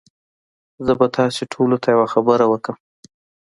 زه به تاسي ټوله ته یوه خبره وکړم